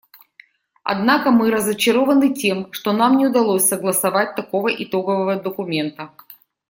Однако мы разочарованы тем, что нам не удалось согласовать такого итогового документа.